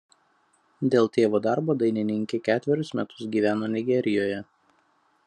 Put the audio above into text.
Dėl tėvo darbo dainininkė ketverius metus gyveno Nigerijoje.